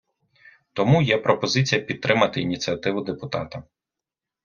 Тому є пропозиція підтримати ініціативу депутата.